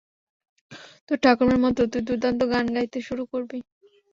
তোর ঠাকুরমার মতো তুই দুর্দান্ত গান গাইতে শুরু করবি।